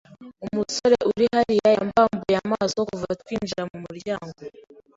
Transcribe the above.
Umusore uri hariya yambambuye amaso kuva twinjira mumuryango.